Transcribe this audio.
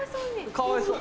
かわいそう。